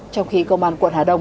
trong khi công an quận hà đông